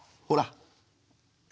ほら。